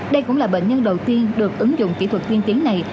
đây cũng là bệnh nhân đầu tiên được ứng dụng kỹ thuật tiên tiến này